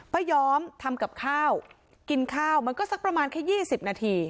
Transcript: ไม่ยอมทำกับข้าวกินข้าวมันก็สักประมาณแค่๒๐นาที